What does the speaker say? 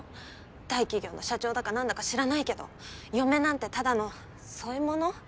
大企業の社長だか何だか知らないけど嫁なんてただの添え物？